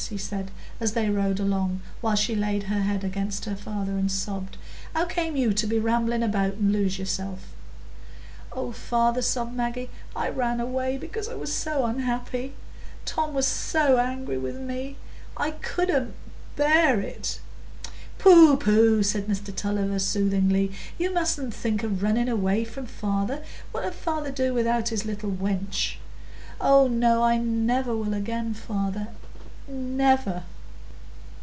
he said, as they rode along, while she laid her head against her father and sobbed. "How came you to be rambling about and lose yourself?" "Oh, father," sobbed Maggie, "I ran away because I was so unhappy; Tom was so angry with me. I couldn't bear it." "Pooh, pooh," said Mr Tulliver, soothingly, "you mustn't think o' running away from father. What 'ud father do without his little wench?" "Oh no, I never will again, father—never."